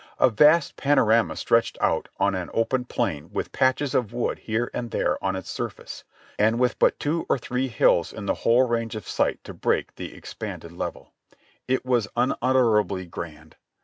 A vast panorama stretched out on an open plain with patches of wood here and there on its surface, and with but two or three hills in the whole range of sight to break the ex panded level. It was unutterably grand.